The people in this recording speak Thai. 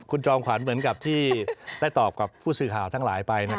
คุณจอมขวัญเหมือนกับที่ได้ตอบกับผู้สื่อข่าวทั้งหลายไป